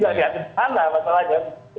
gak ada masalahnya